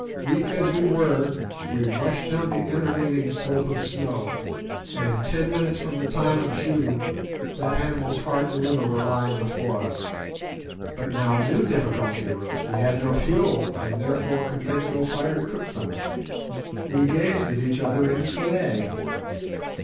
Weak as we were, we rushed down the intervening slope of snow, and in ten minutes from the time of shooting, that animal's heart and liver were lying before us. But now a new difficulty arose, we had no fuel, and therefore could make no fire to cook them. We gazed at each other in dismay.